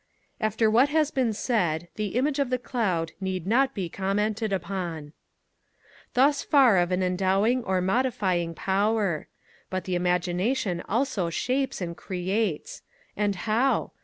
After what has been said, the image of the cloud need not be commented upon. Thus far of an endowing or modifying power: but the Imagination also shapes and creates; and how?